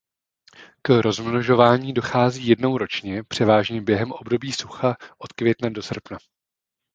K rozmnožování dochází jednou ročně převážně během období sucha od května do srpna.